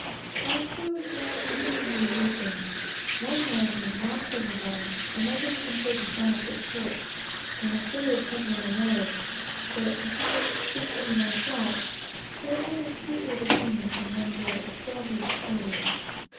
Our crew was now considerably weakened. One man we had lost overboard; another had been taken aft as clerk; and a third had run away; so that, beside S and myself, there were only three able seamen and one boy of twelve years of age.